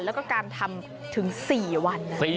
แล้วก็การทำถึง๔วัน